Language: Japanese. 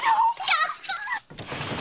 やったあ！